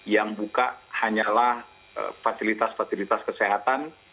yang buka hanyalah fasilitas fasilitas kesehatan